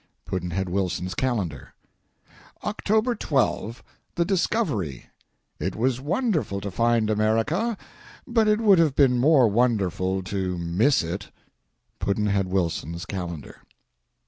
Pudd'nhead Wilson's Calendar. October 12, the Discovery. It was wonderful to find America, but it would have been more wonderful to miss it. Pudd'nhead Wilson's Calendar.